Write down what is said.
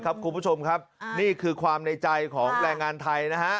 คุณผู้ชมครับนี่คือความในใจของแรงงานไทยนะฮะ